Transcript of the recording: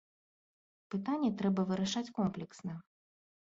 Пытанне трэба вырашаць комплексна.